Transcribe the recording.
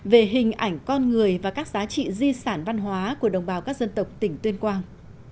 về hình ảnh con người và các giá trị di sản văn hóa của đồng bào các dân tộc tỉnh tuyên quang